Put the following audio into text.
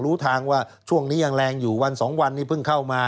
รู้ทางว่าช่วงนี้ยังแรงอยู่วันสองวันนี้เพิ่งเข้ามา